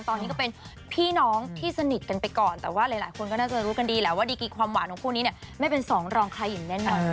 ตอนนี้ก็เป็นพี่น้องที่สนิทกันไปก่อนแต่ว่าหลายคนก็น่าจะรู้กันดีแหละว่าดีกีความหวานของคู่นี้เนี่ยไม่เป็นสองรองใครอย่างแน่นอน